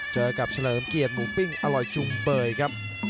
เจอกับเฉลิมเกียรติหมูปิ้งอร่อยจุงเบยครับ